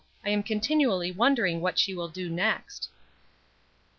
I am continually wondering what she will do next."